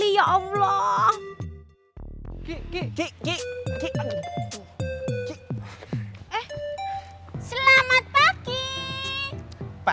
dia lokasi udah siap siap